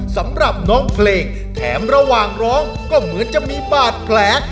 สำหรับน้องเพลงแถมระหว่างร้องก็เหมือนจะมีบาดแผล